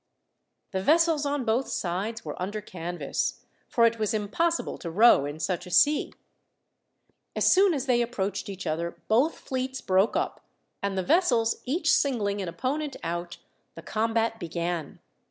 The vessels on both sides were under canvas, for it was impossible to row in such a sea. As soon as they approached each other, both fleets broke up, and the vessels each singling an opponent out, the combat began.